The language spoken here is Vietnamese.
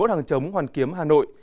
bảy mươi một hàng chống hoàn kiếm hà nội